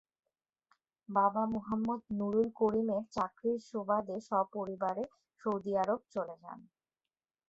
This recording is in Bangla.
বাবা মোহাম্মদ নুরুল করিমের চাকরির সুবাদে সপরিবারে সৌদি আরব চলে যান।